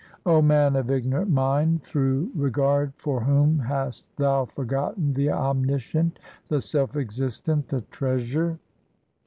O man of ignorant mind, through regard for whom hast thou forgotten the Omniscient, the Self existent, the Treasure